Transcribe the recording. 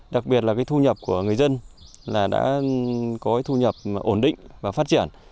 đặc biệt là cái thu nhập của người dân là đã có thu nhập ổn định và phát triển